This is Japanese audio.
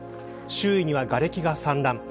周囲には、がれきが散乱。